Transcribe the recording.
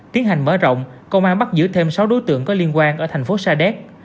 tiến hành mở rộng công an bắt giữ thêm sáu đối tượng có liên quan ở thành phố sa đéc